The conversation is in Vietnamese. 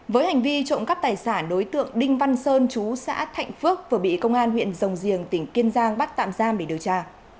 với hành vi trộm cắp tài sản đối tượng đinh văn sơn chú xã thạnh phước vừa bị công an huyện rồng riềng tỉnh kiên giang bắt tạm giam để điều tra